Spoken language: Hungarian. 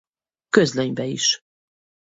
Közlönybe is.